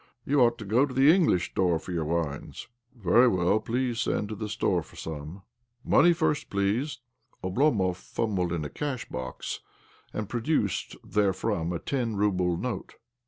You ought to go to the English Store for your wines." " Very well. Please send to the Store for some." " Money first, please !" Oblomov fumbled in a cashbox, and pro ^ duced therefrom a ten rouble note.